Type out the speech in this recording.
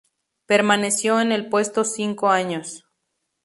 Permaneció en el puesto cinco años.